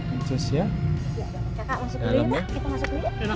kakak masuk dulu ya pak kita masuk dulu